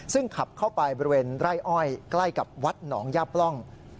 ซึ่งขับเข้าไปบริเวณไร่อ้อยใกล้กับวัดหนองย่าปล่อง